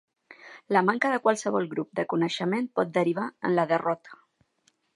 La manca de qualsevol grup de coneixement pot derivar en la derrota.